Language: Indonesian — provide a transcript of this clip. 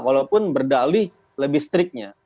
walaupun berdalih lebih striknya